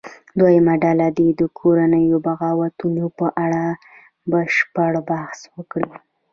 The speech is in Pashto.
دویمه ډله دې د کورنیو بغاوتونو په اړه بشپړ بحث وکړي.